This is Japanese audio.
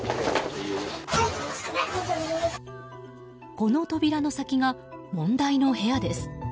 この扉の先が問題の部屋です。